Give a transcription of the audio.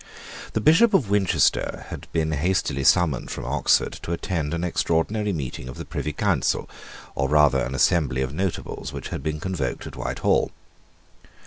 The Bishop of Winchester had been hastily summoned from Oxford to attend an extraordinary meeting of the Privy Council, or rather an assembly of Notables, which had been convoked at Whitehall.